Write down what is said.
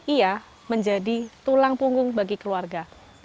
ia menjadi tulang punggung bagi keluarga